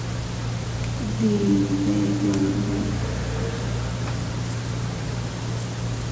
Dinde yundu.